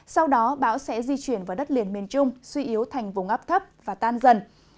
sau đó bão sẽ di chuyển vào đất liền miền trung suy yếu thành vùng áp thấp và tan dần